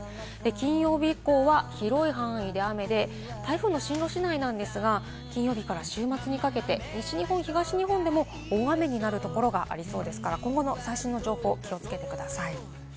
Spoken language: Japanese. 金曜日以降は広い範囲で雨で、台風の進路次第なんですが、金曜日から週末にかけて西日本、東日本でも大雨になるところがありそうですから、今後の最新の情報に気をつけてください。